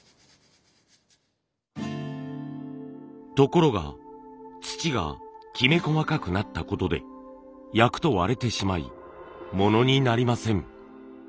ところが土がきめ細かくなったことで焼くと割れてしまいものになりません。